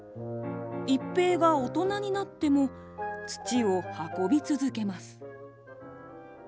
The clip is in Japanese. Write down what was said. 一平が大人になっても土を運び続けます。